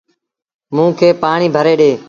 موݩ کي پآڻيٚ ڀري ڏي۔